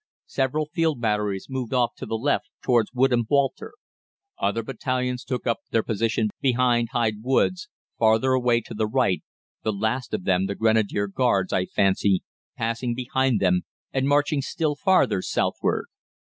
Several field batteries moved off to the left towards Woodham Walter. Other battalions took up their position behind Hyde Woods, farther away to the right, the last of them, the Grenadier Guards, I fancy, passing behind them and marching still farther southward.